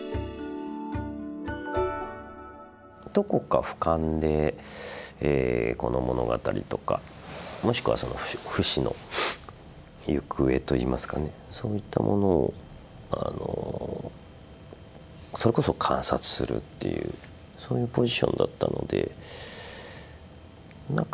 どこか俯瞰でこの物語とかもしくはそのフシの行方といいますかねそういったものをそれこそ観察するっていうそういうポジションだったのでなんか